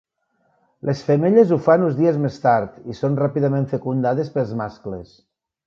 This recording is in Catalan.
Les femelles ho fan uns dies més tard i són ràpidament fecundades pels mascles.